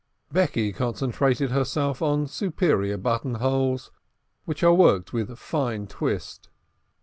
Becky concentrated herself on superior buttonholes, which are worked with fine twist.